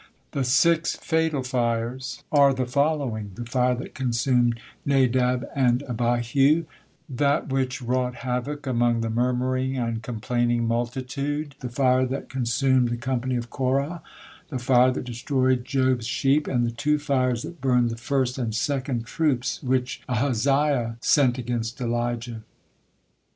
The six fatal fires are the following: the fire that consumed Nadab and Abihu; that which wrought havoc among the murmuring and complaining multitude; the fire that consumed the company of Korah; the fire that destroyed Job's sheep, and the two fires that burned the first and second troops which Ahaziah sent against Elijah.